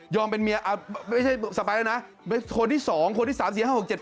ยอมเป็นเมียสปายแล้วนะคนที่๒คนที่๓๔๕๖๗๘